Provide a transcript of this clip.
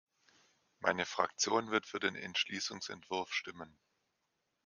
Meine Fraktion wird für den Entschließungsentwurf stimmen.